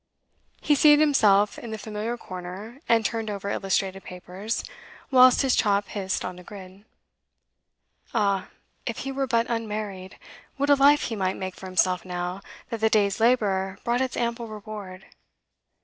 He seated himself in the familiar corner, and turned over illustrated papers, whilst his chop hissed on the grid. Ah, if he were but unmarried, what a life he might make for himself now that the day's labour brought its ample reward!